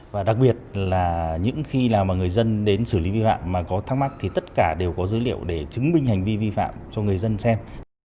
và đặc biệt là những khi người dân đến xử lý vi phạm mà có thắc mắc thì tất cả đều có dữ liệu để chứng minh hành vi vi phạm cho người dân xem